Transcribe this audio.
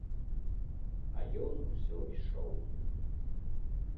А ён усё ішоў.